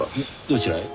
どちらへ？